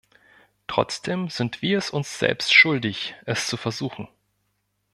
Trotzdem sind wir es uns selbst schuldig, es zu versuchen.